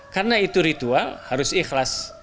karena itu ritual harus ikhlas